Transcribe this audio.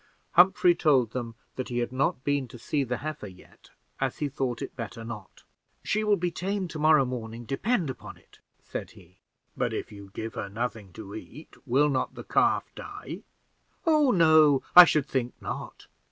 Humphrey told them that he had not been to see the heifer yet, as he thought it better not. "She will be tame to morrow morning, depend upon it," said he. "But if you give her nothing to eat, will not the calf die?" "Oh no, I should think not.